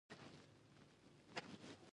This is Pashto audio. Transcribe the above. د بغلان په جلګه کې د ډبرو سکاره شته.